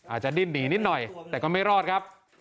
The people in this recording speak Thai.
อาจจะดิ้นหนีนิดหน่อยแต่ก็ไม่รอดครับ